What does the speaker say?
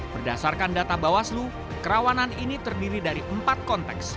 berdasarkan data bawaslu kerawanan ini terdiri dari empat konteks